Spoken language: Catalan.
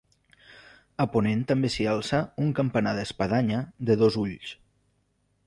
A ponent també s'hi alça un campanar d'espadanya de dos ulls.